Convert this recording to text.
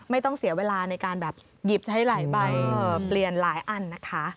ไม่ต้องเสียเวลาในการแบบหยิบใช้หลายใบเปลี่ยนหลายอันนะคะ